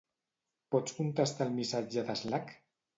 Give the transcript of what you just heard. Pots contestar el missatge de Slack?